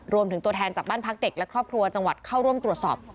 รวมถึงตัวแทนจากบ้านพักเด็กและครอบครัวจังหวัดเข้าร่วมตรวจสอบ